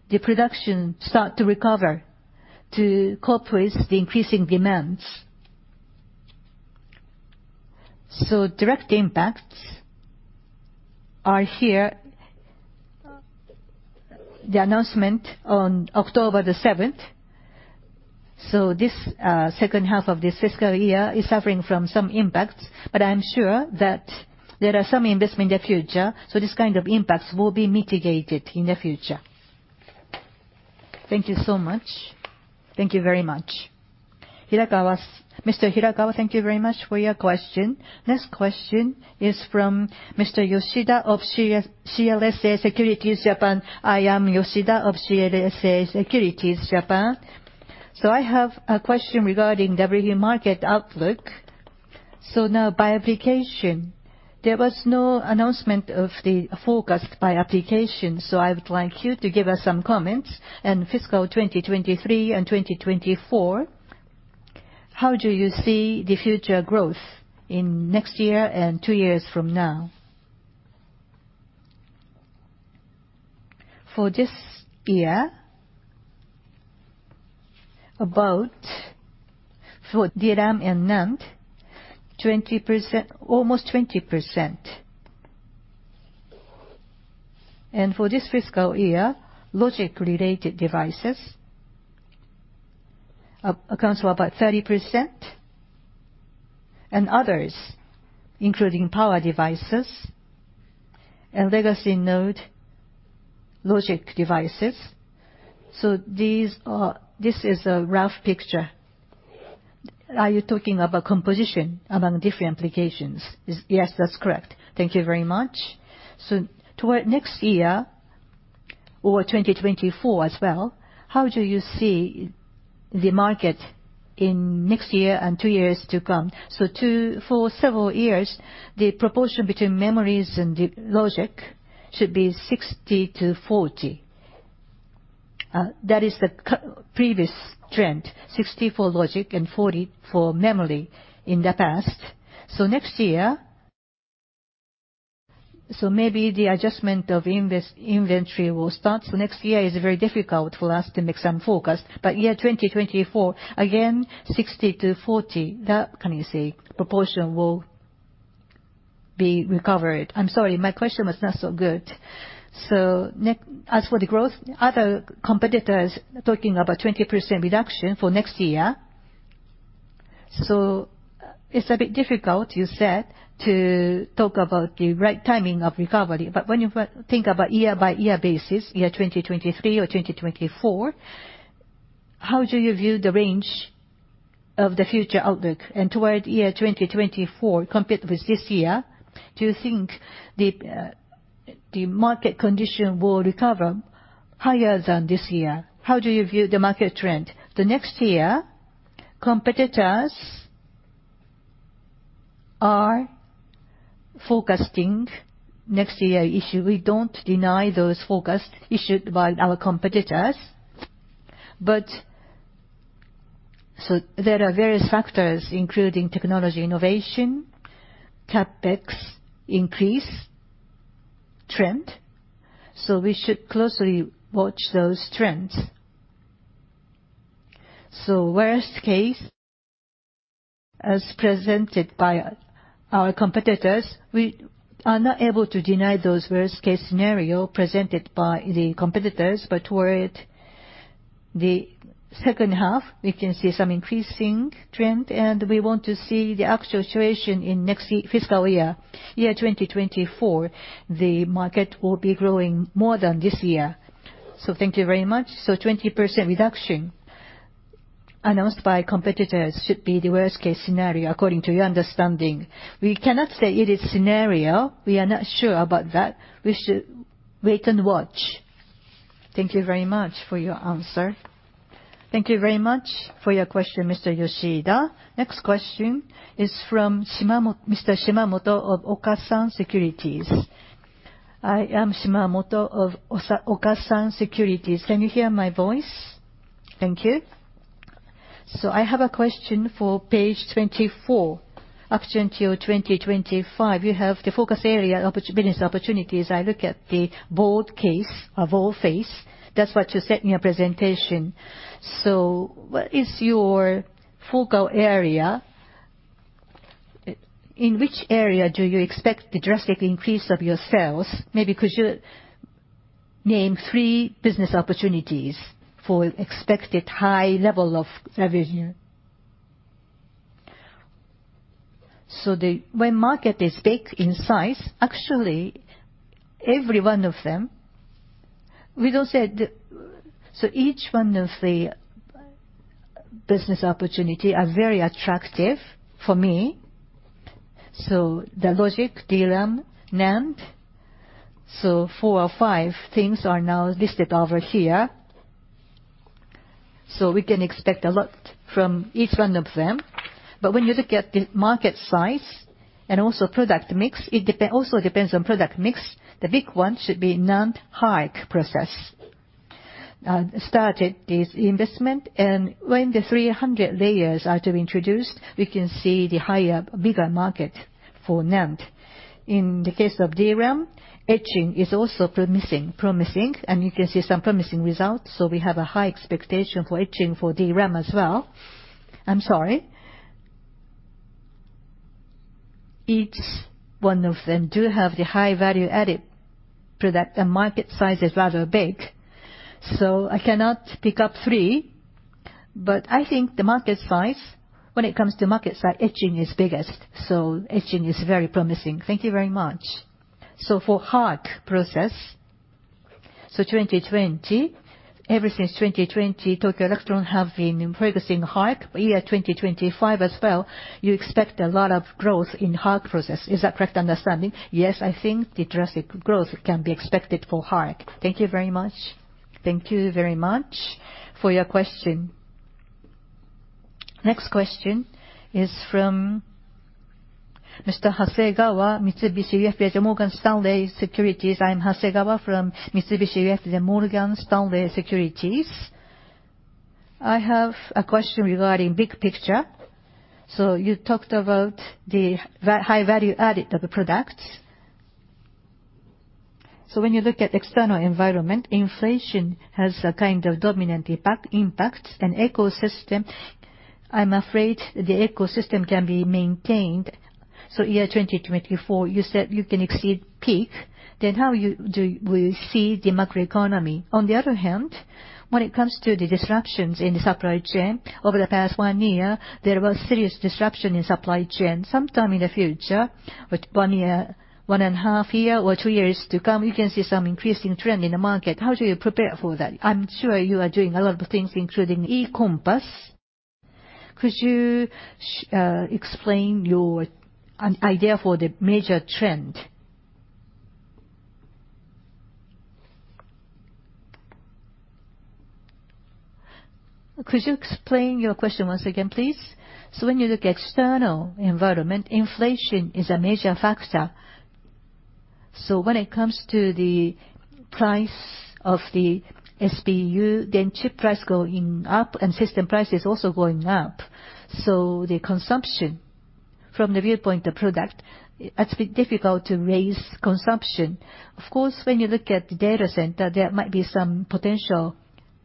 the production start to recover to cope with the increasing demands. Direct impacts are here. The announcement on October 7th. This H2 of this fiscal year is suffering from some impacts, but I'm sure that there are some investment in the future, so this kind of impacts will be mitigated in the future. Thank you so much. Thank you very much. Mr. Hirakawa, thank you very much for your question. Next question is from Mr. Yoshida of CLSA Securities Japan. I am Yoshida of CLSA Securities Japan. I have a question regarding WFE market outlook. Now by application, there was no announcement of the forecast by application, so I would like you to give us some comments. In fiscal 2023 and 2024, how do you see the future growth in next year and two years from now? For this year about For both for DRAM and NAND, 20%, almost 20%. For this fiscal year, logic-related devices accounts for about 30%, and others including power devices and legacy node logic devices. This is a rough picture. Are you talking about composition among different applications? Yes, that's correct. Thank you very much. Toward next year or 2024 as well, how do you see the market in next year and 2 years to come? For several years, the proportion between memories and the logic should be 60/40. That is the previous trend, 60 for logic and 40 for memory in the past. Next year, maybe the adjustment of inventory will start. Next year is very difficult for us to make some forecast. Yeah, 2024, again, 60/40, that, how can you say, proportion will be recovered. I'm sorry, my question was not so good. As for the growth, other competitors talking about 20% reduction for next year. It's a bit difficult, you said, to talk about the right timing of recovery. When you think about year-by-year basis, year 2023 or 2024, how do you view the range of the future outlook? Toward year 2024 compared with this year, do you think the market condition will recover higher than this year? How do you view the market trend? The next year, competitors are forecasting next year issue. We don't deny those forecasts issued by our competitors. There are various factors, including technology innovation, CapEx increase trend, so we should closely watch those trends. Worst case, as presented by our competitors, we are not able to deny those worst case scenario presented by the competitors. Toward the H2, we can see some increasing trend, and we want to see the actual situation in next fiscal year. Year 2024, the market will be growing more than this year. Thank you very much. 20% reduction announced by competitors should be the worst-case scenario according to your understanding. We cannot say it is scenario. We are not sure about that. We should wait and watch. Thank you very much for your answer. Thank you very much for your question, Mr. Yoshida. Next question is from Mr. Shimamoto of Okasan Securities. I am Shimamoto of Okasan Securities. Can you hear my voice? Thank you. I have a question for page 24. Up until 2025, you have the focus area business opportunities. I look at the base case of all phases. That's what you said in your presentation. What is your focal area? In which area do you expect the drastic increase of your sales? Maybe could you name 3 business opportunities for expected high level of revenue? When market is big in size, actually every one of them, we don't say the. Each one of the business opportunity are very attractive for me. The logic, DRAM, NAND, so 4 or 5 things are now listed over here. We can expect a lot from each one of them. When you look at the market size and also product mix, it also depends on product mix. The big one should be NAND high-k process. Started this investment, and when the 300 layers are to be introduced, we can see the higher, bigger market for NAND. In the case of DRAM, etching is also promising, and you can see some promising results. We have a high expectation for etching for DRAM as well. I'm sorry. Each one of them do have the high value added product, and market size is rather big, so I cannot pick up three. I think the market size, when it comes to market size, etching is biggest. Etching is very promising. Thank you very much. For high-k process, 2020, ever since 2020, Tokyo Electron have been progressing high-k. Year 2025 as well, you expect a lot of growth in high-k process. Is that correct understanding? Yes, I think the drastic growth can be expected for high-k. Thank you very much. Thank you very much for your question. Next question is from Mr. Hasegawa, Mitsubishi UFJ Morgan Stanley Securities. I'm Hasegawa from Mitsubishi UFJ Morgan Stanley Securities. I have a question regarding big picture. You talked about the high value added of the product. When you look at external environment, inflation has a kind of dominant impact and ecosystem, I'm afraid the ecosystem can be maintained. Year 2024, you said you can exceed peak, then how will you see the macro economy? On the other hand, when it comes to the disruptions in the supply chain, over the past one year, there was serious disruption in supply chain. Sometime in the future, with one year, one and a half year, or two years to come, you can see some increasing trend in the market. How do you prepare for that? I'm sure you are doing a lot of things including E-COMPASS. Could you explain your idea for the major trend? Could you explain your question once again, please? When you look external environment, inflation is a major factor. When it comes to the price of the SBU, then chip price going up and system price is also going up. The consumption from the viewpoint of product, it's a bit difficult to raise consumption. Of course, when you look at the data center, there might be some potential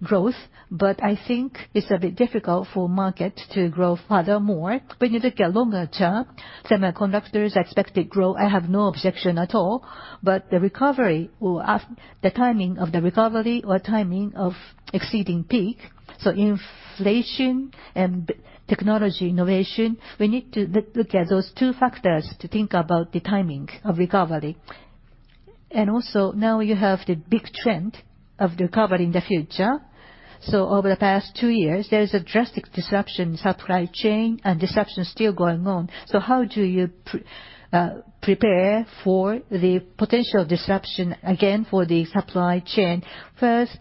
growth, but I think it's a bit difficult for market to grow furthermore. When you look at longer-term, semiconductors expected growth, I have no objection at all, but the recovery will have the timing of the recovery or timing of exceeding peak. Inflation and technology innovation, we need to look at those two factors to think about the timing of recovery. Also now you have the big trend of recovery in the future. Over the past 2 years, there's a drastic disruption supply chain and disruption still going on. How do you prepare for the potential disruption again for the supply chain? First,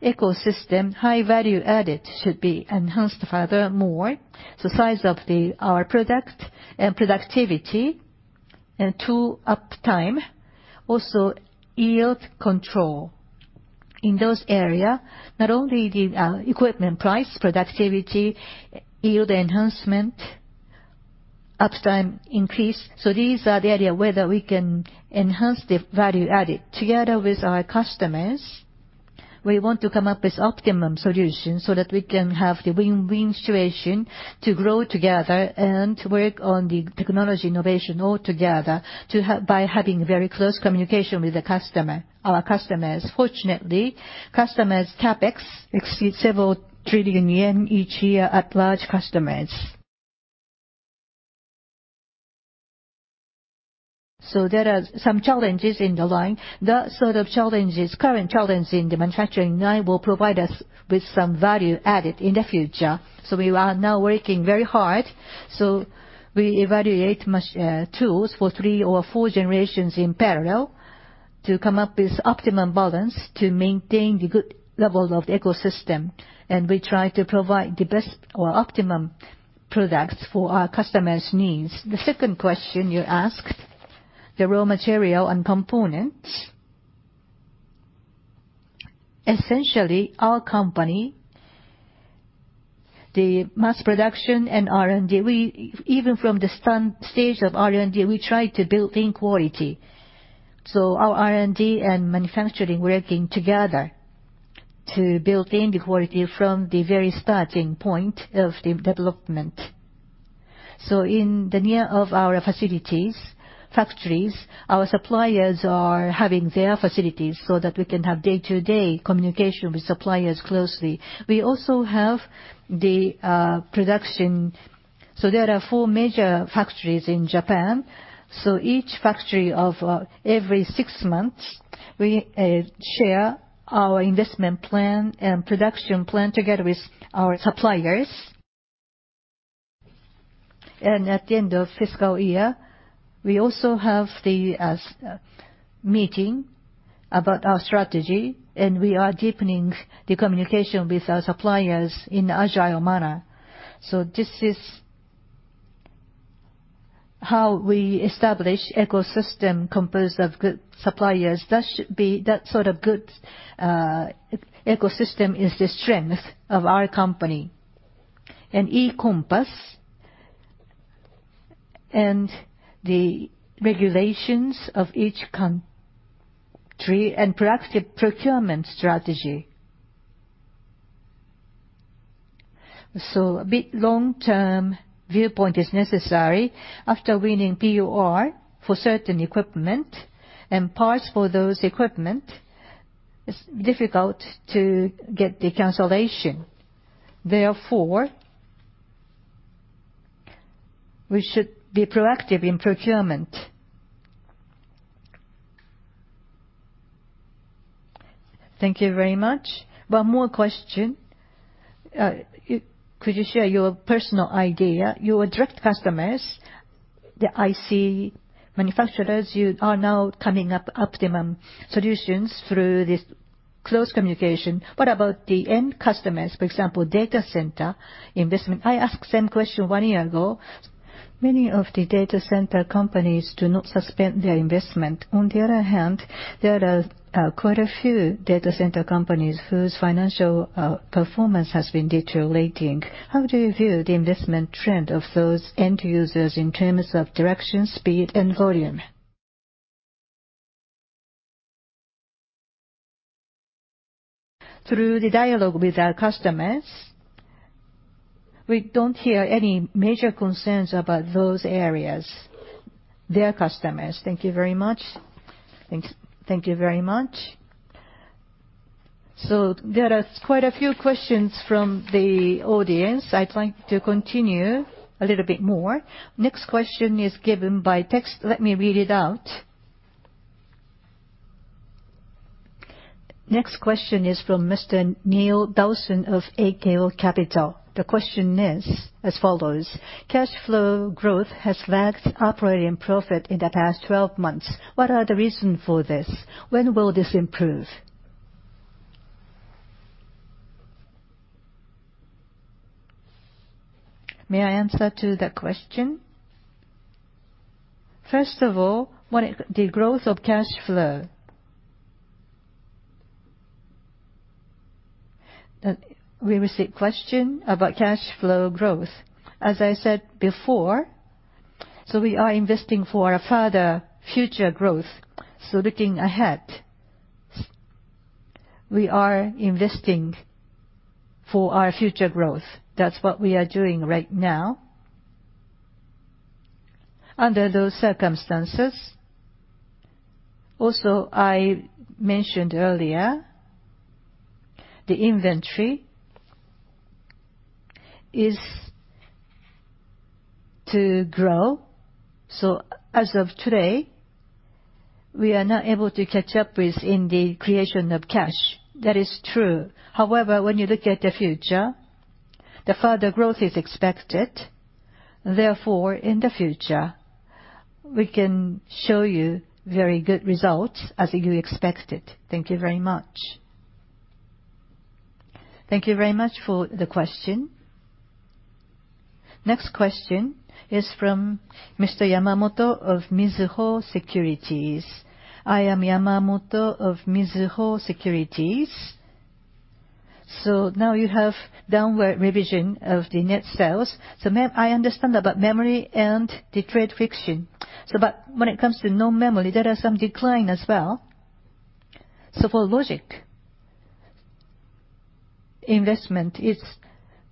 ecosystem, high value added should be enhanced furthermore. Size of the our product and productivity, and 2, uptime, also yield control. In those area, not only the equipment price, productivity, yield enhancement, uptime increase. These are the area where that we can enhance the value added. Together with our customers, we want to come up with optimum solutions so that we can have the win-win situation to grow together and work on the technology innovation all together by having very close communication with the customer, our customers. Fortunately, customers CapEx exceeds several trillion JPY each year at large customers. There are some challenges in the line. That sort of challenges, current challenge in the manufacturing now will provide us with some value added in the future. We are now working very hard. We evaluate tools for three or four generations in parallel to come up with optimum balance to maintain the good level of the ecosystem, and we try to provide the best or optimum products for our customers' needs. The second question you asked, the raw material and components. Essentially, our company, the mass production and R&D, we even from the stage of R&D, we try to build in quality. Our R&D and manufacturing working together to build in the quality from the very starting point of the development. In the area of our facilities, factories, our suppliers are having their facilities so that we can have day-to-day communication with suppliers closely. We also have the production. There are four major factories in Japan. Each factory, every six months, we share our investment plan and production plan together with our suppliers. At the end of fiscal year, we also have the meeting about our strategy, and we are deepening the communication with our suppliers in agile manner. This is how we establish ecosystem composed of good suppliers. That should be, that sort of good ecosystem is the strength of our company. Eco Compass and the regulations of each country and proactive procurement strategy. A bit long-term viewpoint is necessary after winning POR for certain equipment and parts for those equipment, it's difficult to get the cancellation. Therefore, we should be proactive in procurement. Thank you very much. One more question. Could you share your personal idea, your direct customers, the IC manufacturers, you are now coming up optimum solutions through this close communication. What about the end customers, for example, data center investment? I asked same question one year ago. Many of the data center companies do not suspend their investment. On the other hand, there are quite a few data center companies whose financial performance has been deteriorating. How do you view the investment trend of those end users in terms of direction, speed, and volume? Through the dialogue with our customers, we don't hear any major concerns about those areas. Their customers. Thank you very much. Thanks. Thank you very much. There are quite a few questions from the audience. I'd like to continue a little bit more. Next question is given by text. Let me read it out. Next question is from Mr. Neil Simpson of CLSA. The question is as follows: Cash flow growth has lagged operating profit in the past 12 months. What are the reason for this? When will this improve? May I answer to the question? First of all, the growth of cash flow. That we receive question about cash flow growth, as I said before, so we are investing for a further future growth. Looking ahead, we are investing for our future growth. That's what we are doing right now. Under those circumstances, also, I mentioned earlier the inventory is to grow. As of today, we are not able to catch up with in the creation of cash. That is true. However, when you look at the future, the further growth is expected. Therefore, in the future we can show you very good results as you expected. Thank you very much. Thank you very much for the question. Next question is from Mr. Yamamoto of Mizuho Securities. I am Yamamoto of Mizuho Securities. Now you have downward revision of the net sales. May I understand about memory and the trade friction. When it comes to non-memory, there are some decline as well. For logic investment is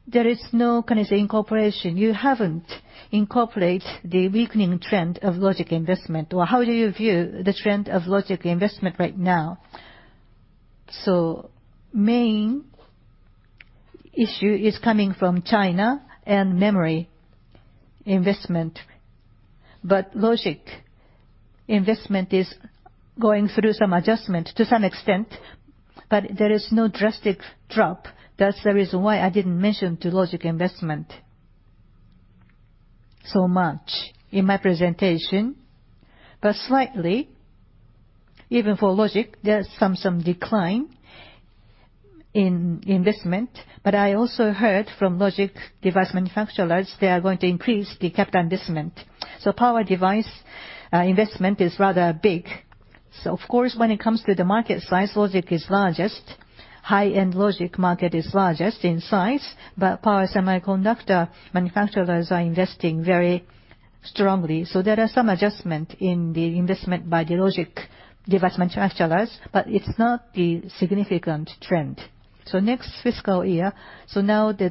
there no kind of incorporation. You haven't incorporate the weakening trend of logic investment. Or how do you view the trend of logic investment right now? Main issue is coming from China and memory investment. Logic investment is going through some adjustment to some extent, but there is no drastic drop. That's the reason why I didn't mention to logic investment so much in my presentation, but slightly, even for logic, there's some decline in investment. I also heard from logic device manufacturers they are going to increase the CapEx investment. Power device investment is rather big. Of course when it comes to the market size, logic is largest, high-end logic market is largest in size. Power semiconductor manufacturers are investing very strongly. There are some adjustment in the investment by the logic device manufacturers, but it's not the significant trend. Next fiscal year. Now the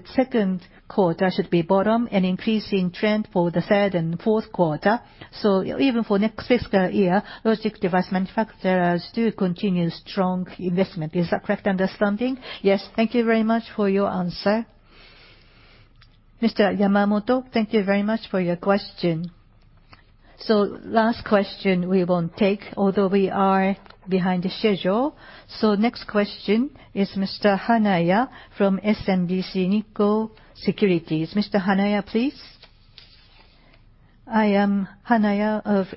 Q2 should be bottom, an increasing trend for the third and Q3. Even for next fiscal year, logic device manufacturers do continue strong investment. Is that correct understanding? Yes. Thank you very much for your answer. Mr. Yamamoto, thank you very much for your question. Last question we will take, although we are behind the schedule. Next question is Mr. Hanaya from SMBC Nikko Securities. Mr. Hanaya, please. I am Hanaya of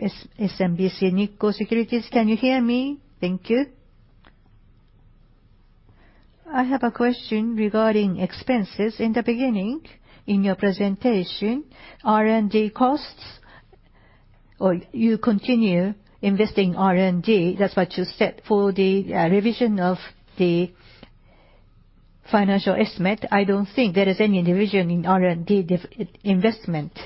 SMBC Nikko Securities. Can you hear me? Thank you. I have a question regarding expenses. In the beginning in your presentation, R&D costs or you continue investing R&D. That's what you said. For the revision of the financial estimate, I don't think there is any revision in R&D investment.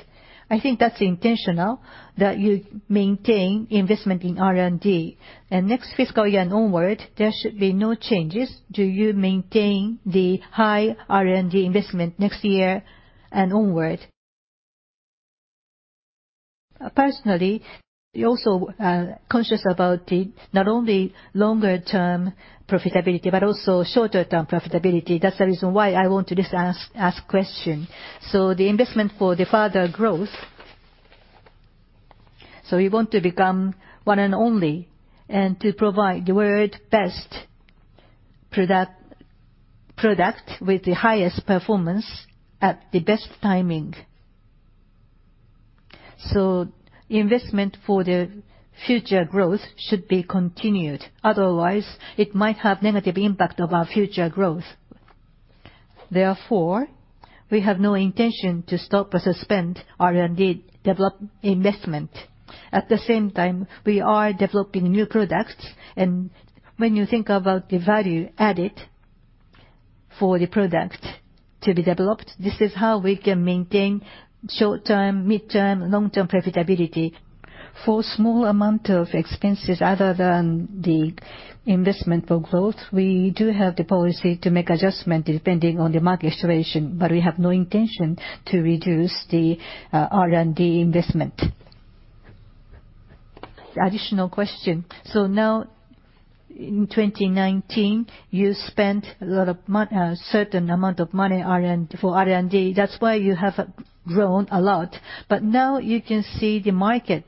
I think that's intentional, that you maintain investment in R&D. Next fiscal year and onward, there should be no changes. Do you maintain the high R&D investment next year and onward? Personally, we also conscious about the not only longer term profitability, but also shorter term profitability. That's the reason why I want to just ask question. The investment for the further growth. We want to become one and only and to provide the world best product with the highest performance at the best timing. Investment for the future growth should be continued, otherwise it might have negative impact of our future growth. Therefore, we have no intention to stop or suspend R&D develop investment. At the same time, we are developing new products. When you think about the value added for the product to be developed, this is how we can maintain short-term, mid-term, long-term profitability. For small amount of expenses other than the investment for growth, we do have the policy to make adjustment depending on the market situation, but we have no intention to reduce the R&D investment. Additional question. Now in 2019, you spent a lot of certain amount of money R&D, for R&D, that's why you have grown a lot. But now you can see the market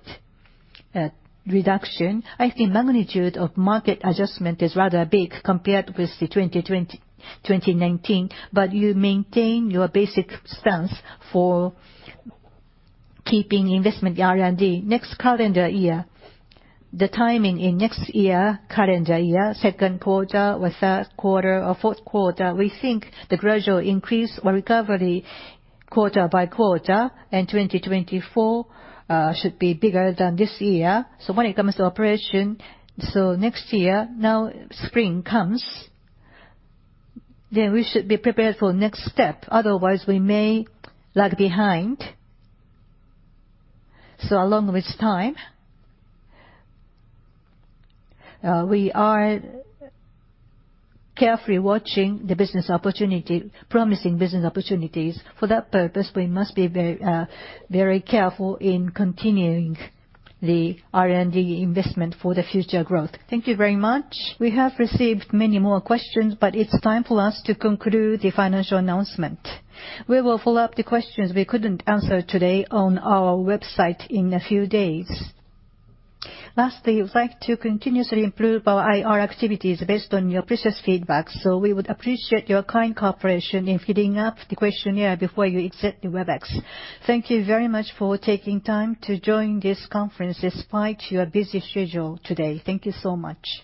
reduction. I think magnitude of market adjustment is rather big compared with the 2020, 2019, but you maintain your basic stance for keeping investment R&D. Next calendar year, the timing in next year, calendar year, Q2 or Q3 or Q3, we think the gradual increase or recovery quarter by quarter in 2024 should be bigger than this year. When it comes to operation, next year now spring comes, then we should be prepared for next step, otherwise we may lag behind. Along with time, we are carefully watching the business opportunity, promising business opportunities. For that purpose, we must be very, very careful in continuing the R&D investment for the future growth. Thank you very much. We have received many more questions, but it's time for us to conclude the financial announcement. We will follow up the questions we couldn't answer today on our website in a few days. Lastly, we would like to continuously improve our IR activities based on your precious feedback, so we would appreciate your kind cooperation in filling out the questionnaire before you exit the Webex. Thank you very much for taking time to join this conference despite your busy schedule today. Thank you so much.